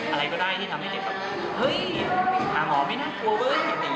อะไรก็ได้ที่ทำให้เด็กแบบเฮ้ยหาหมอไม่น่ากลัวเว้ย